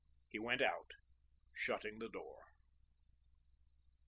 He went out, shutting the door.